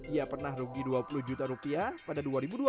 ia pernah rugi dua puluh juta rupiah pada dua ribu dua belas